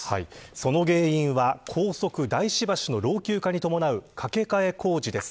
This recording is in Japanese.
その原因は高速大師橋の老朽化に伴う架け替え工事です。